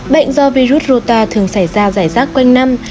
bệnh do virus rota thường xảy ra giải rác quanh năm